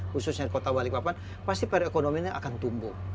khususnya kota balikpapan pasti perekonomiannya akan tumbuh